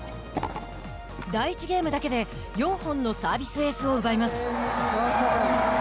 第１ゲームだけで４本のサービスエースを奪います。